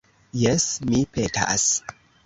Jes, mi petas.